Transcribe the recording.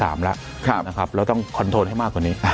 เราต้องรับทรงการให้มากกว่านี้